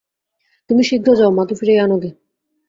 তুমি শীঘ্র যাও, মাকে ফিরাইয়া আনো গে।